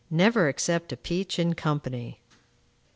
Never accept a peach in company.